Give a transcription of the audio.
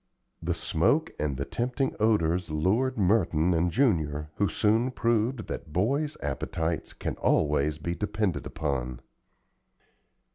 The smoke and the tempting odors lured Merton and Junior, who soon proved that boys' appetites can always be depended upon.